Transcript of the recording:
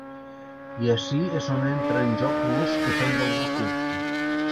I ací és on entra en joc l’ús que fem dels recursos.